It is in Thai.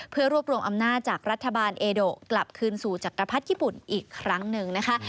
เพื่อรวบรวมอำนาจจากรัฐบาลเอโดกลับคืนสู่จักรพรรดิญี่ปุ่นอีกครั้งหนึ่งนะคะ